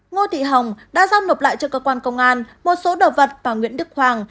ngô thị hồng đã giao nộp lại cho cơ quan công an một số đồ vật và nguyễn đức hoàng